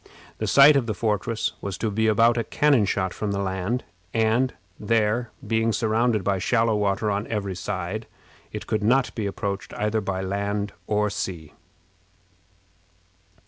The site of the fortress was to be about a cannon shot from the and, where, being surrounded by shallow water on every side, it could not be approached either by land or sea.